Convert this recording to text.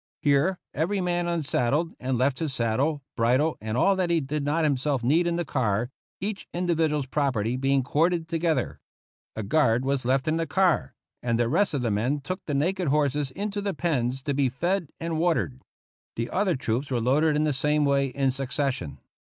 Here every man unsaddled, and left his saddle, bridle, and all that he did not himself need in the car, each individual's property being corded together. A guard was left in the car, and 49 THE ROUGH RIDERS the rest of the men took the naked horses into the pens to be fed and watered. The other troops were loaded in the same way in succession.